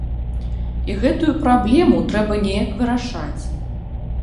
І гэтую праблему трэба неяк вырашаць.